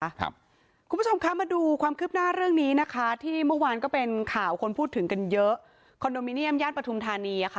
คุณผู้ชมคะมาดูความคืบหน้าเรื่องนี้นะคะที่เมื่อวานก็เป็นข่าวคนพูดถึงกันเยอะคอนโดมิเนียมย่านปฐุมธานีอ่ะค่ะ